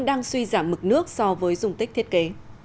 đang suy giảm mực nước so với dùng tích thiết kế